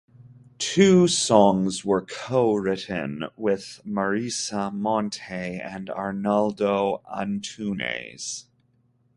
Two songs were co-written with Marisa Monte and Arnaldo Antunes.